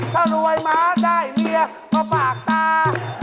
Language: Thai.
ถ้ารวยมาได้เมียก็ปากตา